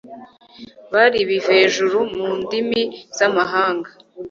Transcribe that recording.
bari ibivejuru mu ndimi z'amahanga